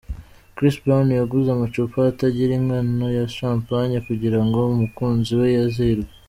Chris Brown yaguze amacupa atagira ingano ya Champagne kugira ngo umukunzi we yizihirwe.